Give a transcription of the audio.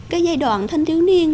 cái giai đoạn thân thiếu niên